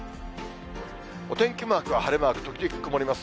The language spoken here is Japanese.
お天気マークは晴れマーク、時々曇ります。